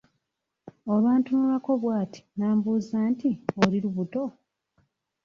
Olwantunulako bw'ati n'ambuuza nti, "oli lubuto?"